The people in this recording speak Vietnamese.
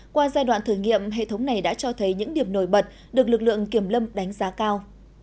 qua giai đoạn thử nghiệm hệ thống này đã cho thấy những điểm nổi bật được lực lượng kiểm lâm đánh giá cao